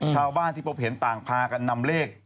ชาวบ้านที่พบเห็นต่างพากันนำเลข